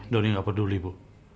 doni nggak peduli bu